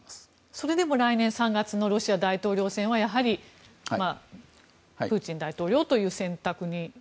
それでも来年３月のロシア大統領選はやはり、プーチン大統領という選択に。